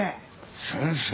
先生。